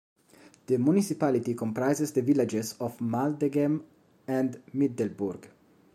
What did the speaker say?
The municipality comprises the villages of Maldegem, and Middelburg.